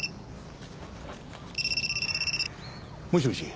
もしもし？